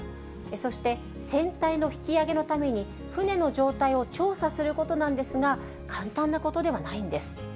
そして、船体の引き揚げのために、船の状態を調査することなんですが、簡単なことではないんです。